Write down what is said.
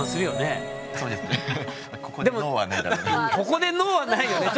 ここでＮＯはないよね